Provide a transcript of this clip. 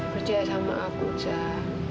percaya sama aku jah